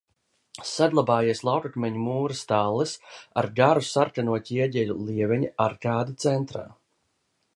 Saglabājies laukakmeņu mūra stallis ar garu sarkano ķieģeļu lieveņa arkādi centrā.